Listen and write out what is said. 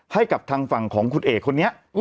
ให้กับทางฝั่งของคุณเอกคนนี้